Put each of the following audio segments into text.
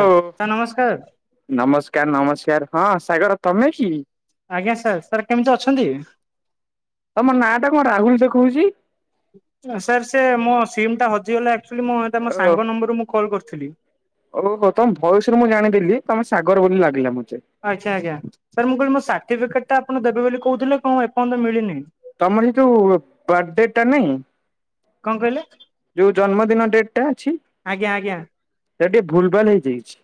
ଓ sir ନମସ୍କାର। ନମସ୍କାର ନମସ୍କାର ହଁ ସାଗର ତମେ କି? ଆଜ୍ଞା ସାର୍ ସାର୍ କେମିତି ଅଛନ୍ତି? ତମ ନାଁ ଟା କଣ ରାହୁଲ ଦେଖୋଉଚି? ସାର୍ ସେ ମୋ ସିମ୍ ଟା ହଜିଗଲା ଆକ୍ଚୁଆଲି ମୁଁ ମୋ ଓ ସାଙ୍ଗ ନମ୍ବରରୁ ମୁଁ କଲ୍ କରିଥିଲି। ଓହୋ ତମ ଭୟସରେ ମୁଁ ଜାଣିଦଥିଲି ତମେ ସାଗର ବୋଲି ଲାଗିଲା ମୋତେ। ଆଜ୍ଞା ଆଜ୍ଞା ସାର୍ ମୁଁ କହିଲି ମୋ ସାର୍ଟିଫିକେଟ୍ ଟା ଆପଣ ଦେବେ ବୋଲି କହୁଥିଲେ କଣ ଏପର୍ଯ୍ୟନ୍ତ ମିଳିନି। ତମର ହେ ଯୋଉଁ ବାର୍ଥ ଡ଼େ ଟା ନାଇଁ କଣ କହିଲେ? ଯୋଉ ଜନ୍ମଦିନ ଡେଟ ଟା ଅଛି। ଆଜ୍ଞା ଆଜ୍ଞା ସେ ଟିକେ ଭୁଲ ଭାଲ ହେଇଯାଇଛି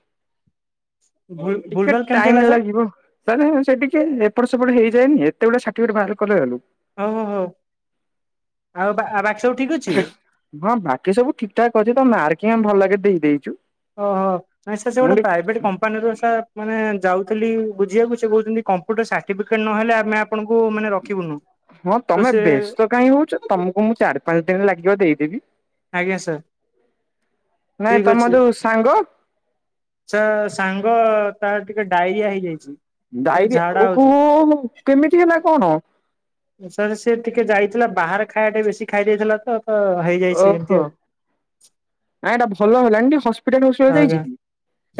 ଭୁଲ ଟିକେ ଭାଲ କେମିତି ହେଲା ଟାଇମ ସାର୍? ଲାଗିବ। [unintelligible] ସେ ଟିକେ ଏପଟ ସେପଟ ହେଇଯାଏନି ଏତେ ଗୁଡ଼ାଏ ସର୍ଟିଫିକେଟ ବାହାର ବାହାର କଲାବେଲୁ। ହଉ ହଉ ହଉ ଆଉ ବାକ୍ ବାକିସବୁ ଠିକ ଅଛି? ହଁ ବାକି ସବୁ ଠିକ ଠାକ୍ ଅଛି ତମ ମାର୍କ ଆମେ ଭଲ ଲାଗେ ଦେଇ ଦେଇଛୁ। ଓହୋ ନାଇଁ ସେ ସାର ମୁଁ ଗୋଟେ ଟିକେ ପ୍ରାଇଭେଟ କ ମାନେ ଯାଉଥିଲି ବୁଝିବାକୁ ସେ କହୁଛନ୍ତି କମ୍ପ୍ୟୁଟର ସାର୍ଟିଫିକେଟ ନହେଲେ ଆମେ ଆପଣଙ୍କୁ ମାନେ ରଖିବୁନୁ ହଁ ତ ତମେ ସେ ବ୍ୟସ୍ତ କାହିଁ ହଉଛ ତମକୁ ମୁଁ ଚାରି ପାଞ୍ଚ ଦିନ ଲାଗିବ ଦେଇଦେବି। ଆଜ୍ଞା ସାର୍ ନାଇଁ ଠିକ ତମ ଯୋଉ ସାଙ୍ଗ। ଆଛା ସାଙ୍ଗ ତାର ଟିକେ ଡାଇରିଆ ହେଇଯାଇଛି। ଖାଲି ଡାଇରିଆ ଝାଡା ଓ କ ହଉଛି। କେମିତି ହେଲା କଣ। ସାର୍ ସେ ଟିକେ ଯାଇଥିଲା ବାହାରେ ଖାଇବା ଟିକେ ବେଶୀ ଖାଇ ଦେଇଥିଲା ତ ତ ହେଇ। ଓହୋ ନାଇଁ ଏଇଟା ଭଲ ହେଲାଣି। ହସ୍ପିଟାଲ ଫସ୍ପିଟାଲ ଯାଇଛି ଆଜ୍ଞା କି?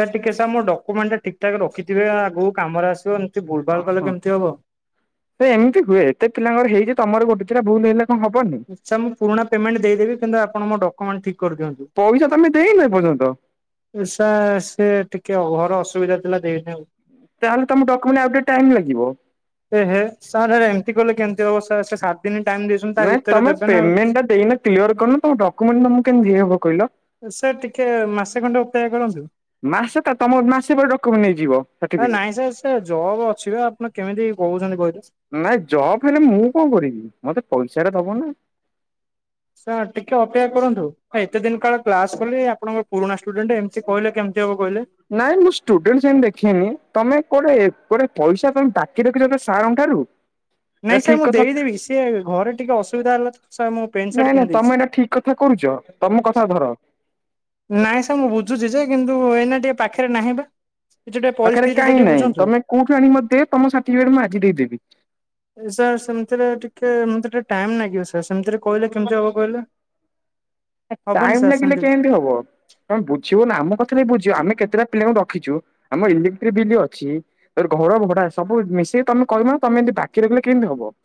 ସାର୍ ଟିକେ ସାର୍ ମୋର ଡକ୍ୟୁମେଣ୍ଟ ଠିକଠାକ୍ ରଖିଥିବେ ଆଗକୁ କାମରେ ଆସିବ। ସେ ଭୁଲଭାଲ୍ କଲେ ଓହୋ କେମିତି ହବ। ଏମିତି ହୁଏ ଏତେ ପିଲାଙ୍କର ହେଇଛି ତମର ଗୋଟେଦିଟା ଭୁଲ୍ ହେଲା। ହଁ ହବନି। ଆଛା ମୁଁ ପୁରୁଣା ପେମେଣ୍ଟ ଦେଇଦେବ କିନ୍ତ ଆପଣ ଡକ୍ୟମେଣ୍ଟ ଠିକ କରିଦିଅନ୍ତୁ। ପଇସା ତମେ ସେ ନାଇଁ ପର୍ଯ୍ୟନ୍ତ। ସାର୍ ସେ ଟିକେ ଘର ଅସୁବିଧା ଥିଲା ଦେଇନି ଆଉ। ତାହେଲେ ତମ ଡକୁମେଣ୍ଟ ଆଉ ଟିକେ ଟାଇମ ଲାଗିବ। ଏଁ ହେ ସାର୍ ହେ ଏମିତି କଲେ କେମିତି ହବ ସାର୍ ସେ ସାତ ଦିନ ଟାଇମ ଦେଇଛନ୍ତି ତା ନାଇଁ ଭିତରେ ତମେ ଦେବେ ନା ଆଉ। ପେମେଣ୍ଟ ଦେଇନ କ୍ଲିୟର କରିନ ତମ ଡ୍ୟୁମେଣ୍ଟ ତମକୁ କେମିତି ଦିଆହେବ କହିଲ। ସେ ଟିକେ ମାସେ ଖଣ୍ଡେ ଅପେକ୍ଷା କରନ୍ତୁ। ମାସେ ତ ତମ ମାସେ ପରେ ଡକୁମେଣ୍ଟ ନେଇଯିବ। ଆ ସାର୍ଟିଫିକେଟ। ନାଇଁ ସାର୍ ସେ ଜବ୍ ଅଛିି ଆପଣ କେମିତି କହୁଛନ୍ତି କହିଲେ। ନାଇଁ ଜବ୍ ହେଲେ ମୁଁ କଣ କରିବି ମତେ ପଇସା ଦବ ନା। ସାର୍ ଟିକେ ଅପେକ୍ଷା କରନ୍ତୁ ଏତେ ଦିନ କାଳେ କ୍ଲାସ କଲି ଆପଣଙ୍କର ପୁରୁଣା ଷ୍ଟୁଡେଣ୍ଟ ଏମିତି କହିଲେ କେମିତି ହବ କହିଲେ। ନାଇଁ ମୁଁ ଷ୍ଟୁଡେଣ୍ଟ ସେମିତି ଦେଖେଇନି ତମେ କୋଟେ ଗୋଟେ ପଇସା ପାଇ ବାକି ରଖି। ସାରଙ୍କ ଠାରୁ। ଏଇଟା ନାଇଁ ସାର୍ ଠିକ ମୁଁ କଥା ଦେଇଦେବି ସି ଘରେ ଟିକେ ଅସୁବିଧା ହେଲା ତ ସାର୍ ମୁଁ ପ୍ୟାଣ୍ଟ ନାଇଁ ସାର୍ଟ ନାଇଁ ତମେ କିଣିଦେଇଛି। ଏଇଟା ଠିକ କଥା କରୁଛ ତମ କଥା ଧର। ନାଇଁ ସାର୍ ମୁଁ ବୁଝୁଛି ଯେ କିନ୍ତୁ ଏଇନା ଟିକେ ପାଖରେ ନାହିଁ ବା। ଏ [unintelligible] ପରିସ୍ଥିତି [unintelligible] ବୁଝନ୍ତୁ। କୋଉଠି ଆଣିି ମୋତେ ଦେ ତମ ସାର୍ଟିଫିକେଟ ମୁଁ ଆଜି ଦେଇେବି। ସାର୍ ସେମିତିରେ ଟିକେ ମତେ ଟିକେ ଟାଇମ ଲାଗିବ ସାର୍ ସେମିତିରେ କହିଲେ କେମିତି ହବ କହିଲେ। [inaudible] ଏ ଟାଇମ ସାର୍ ଲାଗିଲେ ସେମିତି। କେଏନ୍ତି ହବ। ତମେ ବୁଝିବ ନା ଆମ ପାଖରେ ହି ବୁଝିବ ଆମେ କେତେଟା ପିଲାଙ୍କୁ ରଖିଚୁ ଆମର ଇଲେକ୍ଟ୍ରିକ ବିଲ୍ ଅଛି ତ ଘର ଭଡା ସବୁ ମିଶିକି ତମେ କହିବ ତମେ ଏମିତି ବାକି ରଖିଲେ କେଏନ୍ତି ହବ?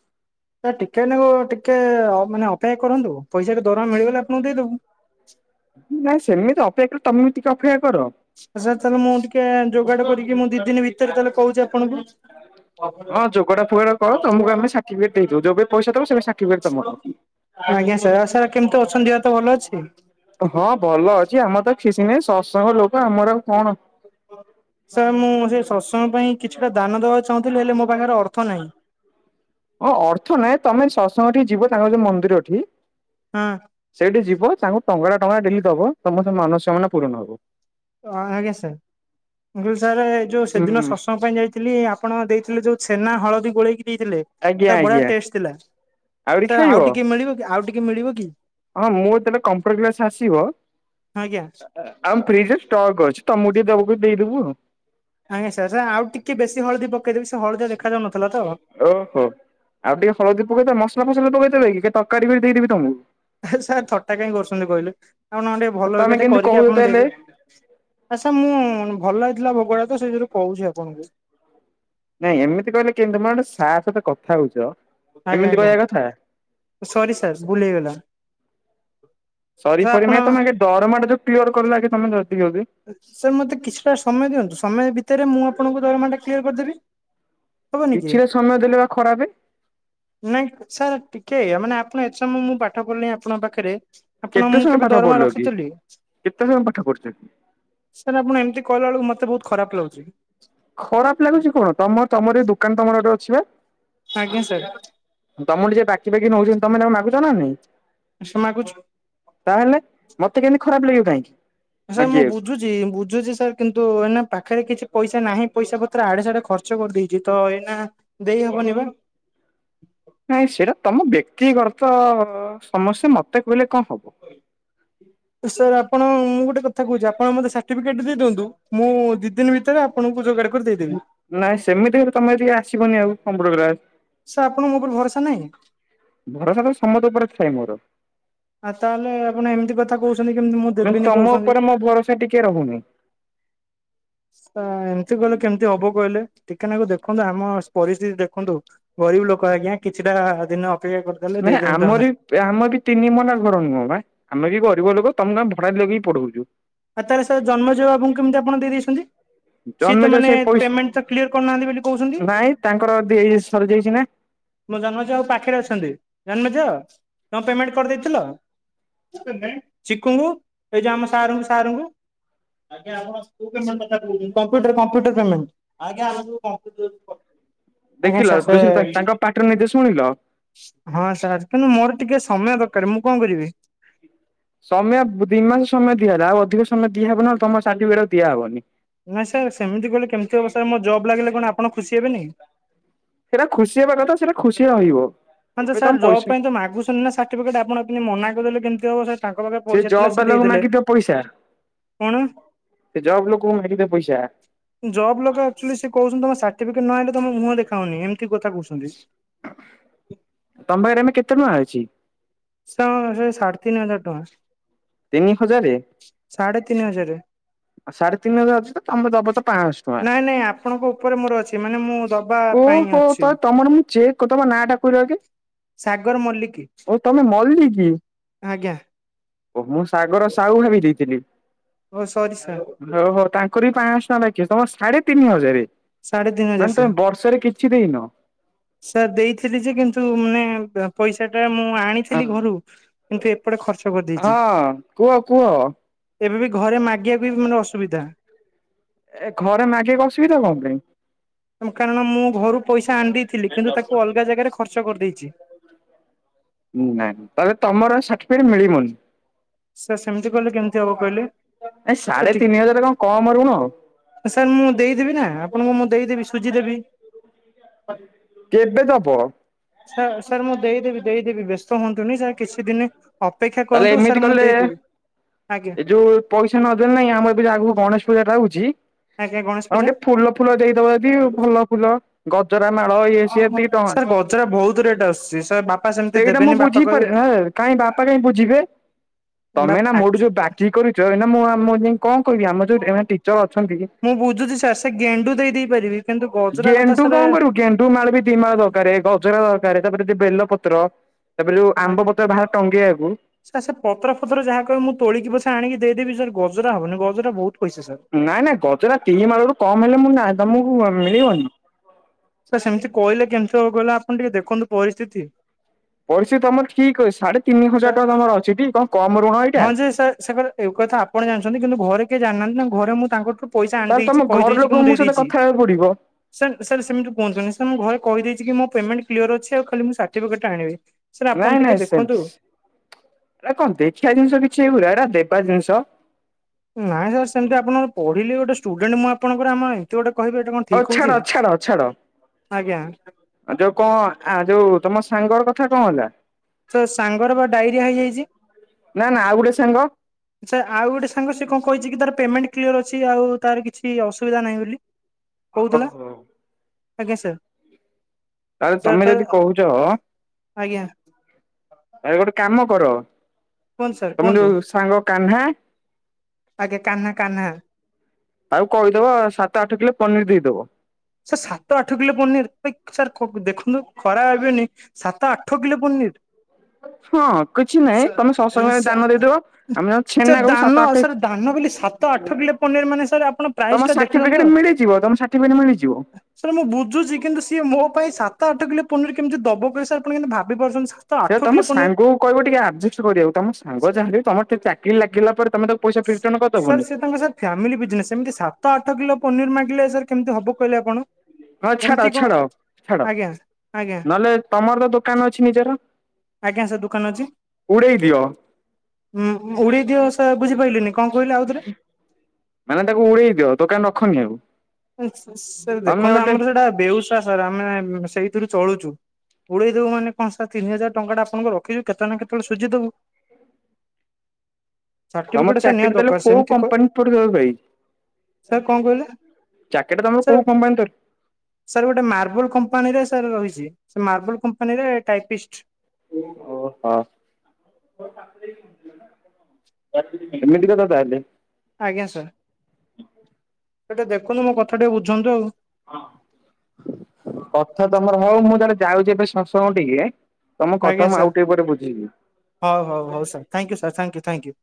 ଟିକେ ନାଉ ଟିକେ ଅ ମାନେ ଅପେକ୍ଷା କରନ୍ତୁ ପଇସାଟା ଦରମା ମିଳିଗଲେ ଆପଣଙ୍କୁ ଦେଇଦବୁ। ନାଇଁ ସେମିତି ଅପେକ୍ଷା ତମେ ଟିକେ ଅପେକ୍ଷା କର। ସାର୍ ତାହେଲେ ମୁଁ ଟିକେ ଯୋଗାଡ଼ କରିକି ମୁଁ ଦି ଦିନ ଭିତରେ ତାହେଲେ କହୁଚି ଆପଣଙ୍କୁ ହଁ ଯୋଗାଡ ଫୋଗାଡ କର ତମକୁ ଆମେ ସାର୍ଟିଫିକେଟ ଦେଇଦବୁ ଯେବେ ପଇସା ଦବ ସେବେ ସାର୍ଟିଫିକେଟ୍ ତମର। ଆଜ୍ଞା ସାର୍ ଆଉ ସାର୍ କେମିତି ଅଛନ୍ତି ଦେହ ତ ଭଲ ଅଛି। ହଁ ଭଲ ଅଛି ଆମର ତ କିଛି ନାହିଁ ସସଙ୍ଗ ଲୋକ ଆମର ଆଉ କଣ ସାର୍ ମୁଁ ସେ ସସଙ୍ଗ ପାଇଁ କିଛିଟା ଦାନ ଦବାକୁ ଚାହୁଁଥିଲି ହେଲେ ମୋ ପାଖରେ ଅର୍ଥ ନାଇଁ। ହଁ ଅର୍ଥ ନାଇଁ ତମେ ସସଙ୍ଗଠି ଯିବ ତାଙ୍କ ଯୋଉ ମନ୍ଦିରଠି ହଁ ସେଇଠି ଯିବ ତାଙ୍କୁ ଟଙ୍କା ଟଙ୍କା ଡେଲି ଦବ ତମର ସେ ମାନସ୍କାମନା ପୂରଣ ହବ। ଆ ଆଜ୍ଞା ସାର୍ ମୁଁ କହିଲି ସାର୍ ଏ ଯୋଉ ସେଦିନ ହୁଁ ସସଙ୍ଗ ପାଇଁ ଯାଇଥିଲି ଆପଣ ଦେଇଥିଲେ ଯୋଉ ଛେନା ହଳଦୀ ଗୋଳେଇକି ଦେଇଥିଲେ ଆଜ୍ଞା ସାର୍ ବଢିଆ ଆଜ୍ଞା ଟେଷ୍ଟ ଥିଲା ଆହୁରି ତ ଖାଇବ ଆଉ ଟିକେ ମିଳିବ କି ଆଉ ଟିକେ ମିଳିବ କି? ହଁ ମୁଁ ତେବେ କମ୍ପ୍ୟୁଟର କ୍ଲାସ ଆସିବ ଆଜ୍ଞା! ଆଉ ଫ୍ରିଜରେ ଷ୍ଟକ୍ ଅଛି ତମକୁ ଟିକେ ଦେବାକୁ ଦେଇଦେବୁ ଆଉ। ଆଜ୍ଞା ସାର୍ ଆଉ ଟିକେ ବେଶୀ ହଳଦୀ ପକେଇଦେବି ସେ ହଳଦି ଦେଖାଯାଉନଥିଲା ତ ଓହୋ ଆଉ ଟିକେ ହଳଦୀ ପକେଇଦବା ମସଲା ଫସଲା ପକେଇଦବା କି ତରକାରୀ କରି ଦେଇଦେବି ତମକୁ। ସାର୍ ଥଟ୍ଟା କାଇଁ କରୁଚନ୍ତି କହିଲେ ଆପଣ ମାନେ ଟିକେ ଭଲ ତମେ ହରିକା ଟିକେ କେମିତି କରିକି କହୁଛ ଆପଣ ତାହେଲେ ଦେଇଦେବେ। ଆ ସାର୍ ମୁଁ ଭଲ ହେଇଥିଲା ଭୋଗ ଗୁଡାତ ସେଥିୋରୁ କହୁଚି ଆପଣଙ୍କୁ ନାଇଁ ଏମିତି କହିଲେ କେମିତି ତମେ ଗୋଟେ ସାର୍ ସହିତ କଥା ହଉଚ ଆଜ୍ଞା ଆଜ୍ଞା ସରି ସାର୍ ଭୁଲ୍ ହେଇଗଲା। ସରି ସାର୍ ପରେ ଆପଣ ମାଗିବ ତମେ ଦରମାଟା ଯୋଉ କ୍ଲିଅର କଲ ଆଗେ ତମେ ଜଲଦି ଜଲଦି। ସାର୍ ମୋତେ କିଛିଟା ସମୟ ଦିଅନ୍ତୁ ସମୟ ଭିତରେ ମୁଁ ଆପଣଙ୍କ ଦରମାଟା କ୍ଲିୟର କରିଦେବି। ହବନି କି? କିଛିଟା ସମୟ ଦେଲେ ବା ଖରାପ। ନାଇଁ ସାର୍ ଟିକେ ମାନେ ଆପଣ ଏଥି ସମୟ ମୁଁ ପାଠ ପଢ଼ିଲିଣି ଆପଣଙ୍କ ପାଖରେ ଆପଣ ମୁଁ କେବେ ଦରମା ରଖିଥିଲି କେତେଜଣ ପାଠ ପଢିଚନ୍ତି? ସାର୍ ଆପଣ ଏମିତି କହିଲା ବେଳକୁ ମତେ ବହୁତ ଖରାପ ଲାଗୁଚି। ଖରାପ ଲାଗୁଚି କଣ ତମ ତମର ଦୋକାନ ତମର ଗୋଟେ ଅଛି ବା। ଆଜ୍ଞା ସାର୍ ତମ ଠୁ ଯିଏ ବାକି ଫାକି ନଉଚନ୍ତି ତମେ ତାକୁ ମାଗୁଚ ନା ନାଇଁ। ସାର୍ ମାଗୁଚୁ। ତାହେଲେ ମତେ କେମିତି ଖରାପ ଲାଗିବ କାହିଁକି? ସାର୍ ମୁଁ ମାଗିବାକୁ। ବୁଝୁଚି ବୁଝୁଚି ସାର୍ କିନ୍ତୁ ଏନା ପାଖରେ କିଛି ପଇସା ନାହିଁ ପଇସା ପତ୍ର ଆଡେ ସାଡେ ଖର୍ ଚ କରିଦେଇଚି ତ ଏଇନା ଦେଇହବନି ବା। ନାଇଁ ସେଇଟା ତମ ବ୍ୟକ୍ତିଗରତ ସମସ୍ୟା ମତେ କହିଲେ କଣ ହବ। [unintelligible] ସାର୍ ଆପଣ ମୁଁ ଗୋଟେ କଥା କହୁଚି ଆପଣ ମତେ ସାର୍ଟିଫିକେଟ ଦେଇ ଦିଅନ୍ତୁ ମୁଁ ଦି ଦିନ ଭିତରେ ଆପ୍ ଆପଣଙ୍କୁ ଯୋଗାଡ଼ କରି ଦେଇଦେବି। ନାଇଁ ସେମିତି ହେଲେ ତମେ ଏଠିକି ଆସିବନି ଆଉ କମ୍ପ୍ୟୁଟର କ୍ଲାସ। ସାର୍ ଆପଣଙ୍କ ମୋ ଉପରେ ଭରସା ନାହିଁ ଭରସା ତ ସମସ୍ତ ଉପରେ ଥାଏ ମୋର। ଆଉ ତାହେଲେ ଆପଣ ଏମିତି କଥା କହୁଛନ୍ତି କେମିତି ମୁଁ ନା ଦେବିନି ତମ କହୁଛନ୍ତି। ଉପରେ ମୋ ଭରସା ଟିକେ ରହୁନି। ସାର୍ ଏମିତି କହିଲେ କେମିତି ହବ କହିଲେ ଟିକେ ନାକୁ ଦେଖନ୍ତୁ ଆମ ପରିସ୍ଥିତି ଦେଖନ୍ତୁ ଗରିବ ଲୋକ ଆଜ୍ଞା କିଛିଟା ଦିନ ଅପେକ୍ଷା କରୁ ନାଇଁ ଆମର ବି ଏ ଆମର ବି ତିନି ମହଲା ଘର ନୁହଁ ବା ଆମେ ବି ଗରିବ ଲୋକ ତମକୁ ଆମେ ଭଡା ଲଗେଇକି ପଢଉଚୁ ଆଉ ତା ହେଲେ ସାର୍ ଜନ୍ମେଜୟ ବାବୁଙ୍କୁ କେମିତି ଆପଣ ଦେଇ ଦେଇଛନ୍ତି। ସିଏ ତ ଜନ୍ମେଜୟ ସେ ମାନେ ପଇସା ପେମେଣ୍ଟ ତ କ୍ଲିୟର କରୁନାହାନ୍ତି ବୋଲି କହୁଛନ୍ତି। ନାଇଁ ତାଙ୍କର [unintelligible] ସରିଯାଇଛି ନା। ମୋ ଜନ୍ମେଜୟ ବାବୁ ପାଖରେ ଅଛନ୍ତି ଜନ୍ମେଜୟ ତମେ ପେମେଣ୍ଟ କରିଦେଇଥିଲ। ଚିକୁଙ୍କୁ ଏଇ ଯୋଉ ଆମ ସାର୍ ଙ୍କୁ ସାରଙ୍କୁ। ଆଜ୍ଞା ଆପଣ କଉ ପେମେଣ୍ଟ କଥା କହୁଛନ୍ତି, କମ୍ପୁଟର କମ୍ପୁଟର ପେମେଣ୍ଟ୍। ଆଜ୍ଞା ସାର୍ ସେ। ଏଥର ନିଜେ ଶୁଣିଲ। ହଁ ସାର୍ କିନ୍ତୁ ମୋର ଟିକେ ସମୟ ଦରକାର ମୁଁ କଣ କରିବି। ସମୟ ଦି ମାସ ସମୟ ଦିଆହେଲା ଆଉ ଅଧିକ ସମୟ ଦିଆହେବ ନହେଲେ ତମ ସର୍ଟିଫିକେଟ ଆଉ ଦିଆହବନି। ନାଇଁ ସାର୍ ସେମିତି କହିଲେ କେମିତି ହବ ସାର୍ ମୋ ଜବ୍ ଲାଗିଲେ କଣ ଆପଣ ଖୁସି ହେବେନି। ସେଇଟା ଖୁସି ହେବା କଥା ସେଇଟା ଖୁସି ରହିବ। ହ ଯେ ଏବେ ତମ ସାର୍ ଜବ ପଇସା ପାଇଁ ତ ମାଗୁଛନ୍ତିି ନା ସାର୍ଟିଫିକେଟ ଆପଣ ମନା କରିଦେଲେ କେମିତି ହବ ସାର୍। ତାଙ୍କ ପାଖରେ ପଇସା ଥିଲା ଜବ୍ ସେ ବାଲାକୁ ଦେଇଦେଲେ ମାଗିଦିଅ ପଇସା କଣ। ସେ ଜବ ଲୋକଙ୍କୁ ମାଗି ଦେ ପଇସା। ଜବ୍ ଲୋକ ଆକଚୁଆଲିସେ କହୁଛନ୍ତି ତମ ସାର୍ଟିଫିକେଟ୍ ନହଲେ ତମେ ମୁହଁ ଦେଖାଉନି ଏମିତି କଥା କହୁଛନ୍ତି। ତମ ପାଖରେ ଆମେ କେତେ ଟଙ୍କା ଅଛି? ସ ସେ ସାଢ଼େ ତିନି ହଜାର ଟଙ୍କା। ତିନି ହଜାର। ସାଢେ ତିନି ହଜାର। ଆଉ ସାଢ଼େ ତିନି ହଜାର ଅଛି ତମେ ଦବ ତ ପାଞ୍ଚଶହ ଟଙ୍କା। ନାଇଁ ନାଇଁ ଆପଣଙ୍କ ଉପରେ ମୋର ଅଛି ମାନେ ମୁଁ ଦ ଓହୋ ତ ତମର ମୁଁ ଯେ ଚେକ୍ ତମ ନାଁ ଟା କହିଲ ଆଗେ ସାଗର ମଲ୍ଲିକ ଓ ତମେ ମଲିକି। ଆଜ୍ଞା। ଓ ମୁଁ ସାଗର ସାହୁ ଭାବି ଦେଇଥିଲି। ଓ ସରି ସାର୍। ହଉ ହଉ ତାଙ୍କର ବି ପାଆଁଶହ ଟଙ୍କା ବାକି ଅଛି ତମର ସାଢେ ତିନି ହଜାର ସାଢେ ତିନି ହଜାର ମାନେ ସାର୍। ତମେ ବର୍ଷ। ଷରେ କିଛି ଦେଇନ। ସାର୍ ଦେଇଥିଲି ଯେ କିନ୍ତୁ ମାନେ ପଇସା ଟା ମୁଁ ଅ ଆଣିଥିଲି ଘରୁ କିନ୍ତୁ। ଏପଟେ ଖର୍ଚ୍ଚ କରି ହଁ କୁହ କୁହ। ଏବେ ବି ଘରେ ମାଗିବାକୁ ବି ମାନେ ଅସୁବିଧା। ଏ ଘରେ ମାଗିବାକୁ ଅସୁବିଧା କଣ ପାଇଁ? କାରଣ ମୁଁ ଘରୁ ପଇସା ଆଣିଦେ। କିନ୍ତୁ ତାକୁ ଅଲଗା ଜାଗାରେ ଖର୍ଚ କରିଦେଇଛି। ନାଇଁ ତ ତମର ସାର୍ଟିଫିକେଟ୍ ମିଳିବନି। ସେ ସେମିତି କହିଲେ କେମିତି ହବ କହିଲେ ଏ ସାଢେ ସେ ଟି ତିନି ହଜାର [unintelligible] ସାର୍ ମୁଁ ଦେଇଦେବି ନା ଆପଣଙ୍କୁ ମୁଁ ଦେଇଦେବି ସୁଜି ଦେବି। କେବେ ଦବ? ସାର୍ ସାର୍ ମୁଁ ଦେଇଦେବି ଦେଇଦେବି ବ୍ୟସ୍ତ ହୁଅନ୍ତୁନି ସାର୍ କିଛି ଦିନି ଅପେକ୍ଷା ତାହେଲେ କରନ୍ତୁ ଏମିତି ସାର୍ ମୁଁ କଲେ ଦେଇଦେବି ଆଜ୍ଞା। ଏ ଯୋଉ ପଇସା ନ ଦେଲେ ନାଇଁ ଆମର ଏବେ ଆଗକୁ ଗଣେଶ ପୂଜାଟା ଆଉଚି। ଆଜ୍ଞା ଗଣେଶ ହଁ ପୂଜା। ଟିକେ ଫୁଲ ଫୁଲ ଦେଇଦବ ଯଦି ଭଲ ଫୁଲ। ଗଜରା ମାଳ ଇଏ ସିଏ ଦି ଟଙ୍କା ସାର୍ ଗଜରା ବହୁତ ରେଟ୍ ଆସୁଛି ସାର୍ ବାପା ସେମିତି ସେଇଟା ମୁଁ ଦେବେନି ବାପା କହିବେ ବୁଝିପାରେ କାଇଁ ବାପା କାହିଁ ବୁଝିବେ ତମେ ବାପା ନା ମୋଠୁ ଆକ୍ ଯୋଉ ବାକି କରିଚ ଏଇନା ମୁଁ ଆମ ଯାଇ କଣ କହିବି ଆମ ଯୋଉ [unintelligible] ଏ ଟିଚର ଅଛନ୍ତି କି। ମୁଁ ବୁଝୁଛି ସାର୍ ସେ ଗେଣ୍ଡୁ ଦେଇ ଦେଇ ପାରିବି କିନ୍ତୁ ଗଜରା କଥା ଗେଣ୍ଡୁ ସାର୍। କଣ କରିବୁ ଗେଣ୍ଡୁ ମାଳ ବି ଦି ମାଳ ଦରକାର ଗଜରା ଦରକାର ତାପରେ ଦ ବେଲ ପତ୍ର। ତାପରେ ଯୋଉ ଆମ୍ବ ଆଜ୍ଞା। ପତ୍ର ବାହାରେ ଟଙ୍ଗେଇବାକୁ। ସାର୍ ସେ ପତର ଫଥର ଯାହା କହିବେ ମୁଁ ତୋଳିକି ପଛେ ଆଣିକି ଦେଇଦେବି ସାର୍ ଗଜରା ହବନି ଗଜରା ବହୁତ ପଇସା ସାର୍। ନାଇଁ ନାଇଁ ଗଜରା ଦି ମାଳରୁ କମ୍ ହେଲେ ମୁଁ ନା ତମକୁ ମିଳିବନି। ସାର୍ ସେମିତି କହିଲେ କେମିତି ହେବ କହିଲ ଆପଣ ଟିକେ ଦେଖନ୍ତୁ ପରିସ୍ଥିତି। ପଇସା ତମର ଠିକ ଅଛି ସାଢେ ତିନି ହଜାର ଟଙ୍କା ତମର ଅଛିଟି କଣ କମ ଋଣ ଏଇଟା। ସେ ସାର୍ ସେ କଥା। ଏଇ କଥା ଆପଣ ଜାଣିଛନ୍ତି କିନ୍ତୁ ଘରେ କିଏ ଜାଣିନାହାନ୍ତି ନା ଘରେ ମୁଁ ତାଙ୍କଠୁ ପଇସା ଆଣି ତାହେଲେ ଦେଇଛି ତମ ଘର କହିଦେଇଛି କି ଲୋକଙ୍କ ମୁଁ ମୋ ଦେଇ ସହିତ ଦେଇଛି। କଥା ହେବାକୁ ପଡିବ ସାର୍ ସାର୍ ସେମିତି କୁହନ୍ତୁନି ସାର ମୁଁ ଘରେ କହିଦେଇଛି କି ମୋ ପେମେଣ୍ଟ କ୍ଲିଅର ଅଛି ଆଉ ଖାଲି ମୁଁ ସାର୍ଟିଫିକେଟ୍ ଆଣିବି। ସାର୍ ଆପଣ ନାଇଁ ଟିକେ ନାଇଁ ଦେଖନ୍ତୁ। ସେମ ଏରା କଣ ଦେଖିବା ଜିନିଷ କିଛି ଏଇ ଭଳିଆ ଏରା ବେପାର ଜିନିଷ। ନାଇଁ ସାର୍ ସେମିତି ଆପଣଙ୍କର ପଢିଲି ଗୋଟେ ଷ୍ଟୁଡେଣ୍ଟ ମୁଁ ଆପଣଙ୍କର ଆମ ଆଇଁ ଏମତି ଗୋଟେ କହିବେ ଏଇଟା କଣ ହଉ ଠିକ ଛାଡ ହଉଛି ଛାଡ ଛାଡ। ଆଜ୍ଞା। ଆ ଯୋଉ କଣ ଆ ଯୋଉ ତମ ସାଙ୍ଗର କଥା କଣ ହେଲା? ତ ସାଙ୍ଗର ବା ଡାଇରିଆ ହେଇଯାଇଛି। ନା ନା ଆଉ ଗୋଟେ ସାଙ୍ଗ। ଆଚ୍ଛା ଆଉ ଗୋଟେ ସାଙ୍ଗ ସେ କଣ କହିଛି କି ତାର ପେମେଣ୍ଟ କ୍ଲିଅର ଅଛି ଆଉ ତାର କିଛି ଅସୁବିଧା ନାହିଁ ବୋଲି। କହୁଥଲା ଓହୋ। ଆଜ୍ଞା ସାର୍। ଆରେ ସାର୍ ତମେ ତାର ଯଦି କହୁଚ। ଆଜ୍ଞା ଆରେ ଗୋଟେ କାମ କର କୁହନ୍ତୁ ସାର୍ ତମେ କୁହନ୍ତୁ ଯୋଉ ସାଙ୍ଗ କାହ୍ନା। ଆଜ୍ଞା କାହ୍ନା କାହ୍ନା। ତାକୁ କହିଦବ ସାତ ଆଠ କିଲୋ ପନିର ଦେଇଦବ। ସାର୍ ସାତ ଆଠ କିଲୋ ପନିର ସାର୍ ଦେଖନ୍ତୁ ଖରାପ ଭାବିବେନି। ସାତ ଆଠ କିଲୋ ପନିର। ହଁ କିଛି ନାହିଁ ତମେ ସାର ସତ୍ସଙ୍ଗରେ ସା ଦାନ ଦେଇଦବ ଆମେ ଯ ସାର୍ ଛେନାକୁ ବି ସାତ ଦାନ ଆଠ ସାର୍ ଦାନ ବୋଲି ସାତ ତ ଆଠ କିଲୋ ପନିର ମାନେ ସାର୍ ଆପଣ ପ୍ରାଇସ୍ ଟା ଦେଖି ଦିଅନ୍ତୁ। ସେଇଟା ମିଳିଯିବ ତମ ସାର୍ଟିଫିକଟ ମିଳିଯିବ। ସାର୍ ମୁଁ ବୁଝୁଛି କିନ୍ତୁ ସିଏ ମୋ ପାଇଁ ସାତ ଆଠ କିଲୋ ପନିର କେମିତି ଦବ କହିଲେ ସାର୍ ଆପଣ କେମିତି ଭାବି ପାରୁଛନ୍ତି। ସାତ ସେ ଆଠ ତମ କିଲୋ ପନିର ସାଙ୍ଗକୁ କହିବ ଟିକେ ଆଡଜଷ୍ଟ କରିବାକୁ ତମ ସାଙ୍ଗ ଯାହାଲେ ତମ ଟିକେ ଚାକିରି ଲାଗିଗଲା ପରେ ତମେ ତାକୁ ପଇସା ରିଟର୍ଣ ସାର୍ କରିଦବନି ସେ ତାଙ୍କ ସାର୍। ଫ୍ୟାମିଲି ବିଜନେସ୍ ସେମିତି ସାତ ଆଠ କିଲୋ ପନିର ମାଗିଲେ ସାର୍ କେମିତି ହବ କହିଲେ ଆପଣ। ହଁ ଛାଡ ଏମିତି କଣ ଛାଡ ଛାଡ ଆଜ୍ଞା ଆଜ୍ଞା ନହେଲେ ତମର ତ ଦୋକାନ ଅଛି ନିଜର। ଆଜ୍ଞା ସାର୍ ଦୋକାନ ଅଛି, ଉଡେଇ ଦିଅ। ଉଁ ଉଡେଇ ଦିଅ ସାର୍ ବୁଝିପାରିଲନି। କଣ କହିଲୁ ଆଉଥରେ? ମାନେ ତାକୁ ଉଡେଇ ଦିଅ ଦୋକାନ ରଖନି ଆଉ। ସେ ତମେ ଦେଖନ୍ତୁ ଗୋଟେ ଆମର ସେଟା ବେଉସା ସାର୍ ଆମେ ସେଇଥିରୁ ଚଳୁଛୁ। ଉଡେଇବୁ ମାନ କଣ ସାର୍ ତିନି ହଜାର ଟଙ୍କା ଆପଣଙ୍କ ରଖିଚୁ କେତେ ନା କେତେବେଳେ ସୁଝି ଦେବୁ। ତମ ସାର୍ଟିଫିକେଟ୍ ସାର୍ ନିହାତି ଚାକିରି ଦେଲେ ଦରକାର କୋଉ ସେମିତି କହି କମ୍ପାନୀ ପଡିବ ଭାଇ ସାର୍ କଣ କହିଲେ? ଚାକିରିଟା ତମର ସାର୍ କୋଉ କମ୍ ପାଇଁନ ତର ସାର୍ ଗୋଟେ ମାର୍ବଲ କମ୍ପାନୀରେ ସାର୍ ରହିଛି ମାର୍ବଲ କମ୍ପାନୀରେ ଟାଇପିଷ୍ଟ୍ ଓହୋ। ଏମିତି କଥା ତାହେଲେ ଆଜ୍ଞା ସାର୍। ହେଟା ଦେଖନ୍ତୁ ମୋ କଥା ଟିକେ ବୁଝନ୍ତୁ ଆଉ। କଥା ତମର ହଉ ମୁଁ ଜଣେ ଯାଉଛି ଏବେ ଶତ୍ସଙ୍ଗ ଟିକେ। ତମ ଆଜ୍ଞା କଥା ମୁଁ ସାର୍ ଆଉ ଟିକେ ପରେ ବୁଝିବି। ହଉ ହଉ ହଉ sir thank you sir thank you thank you.